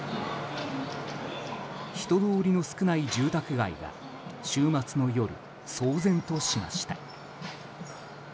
人通りの少ない住宅街が週末の夜、騒然としました。